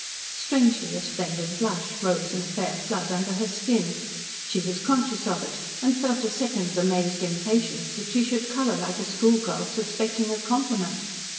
Strangely, a splendid blush rose in a fair flood under her skin. She was conscious of it, and felt a second's amazed impatience that she should colour like a schoolgirl suspecting a compliment.